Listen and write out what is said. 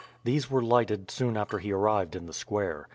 These were lighted soon after he arrived in the square.